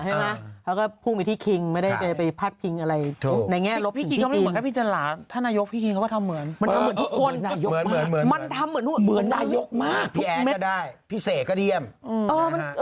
เออทำไมมันทำให้หมดเลยวะ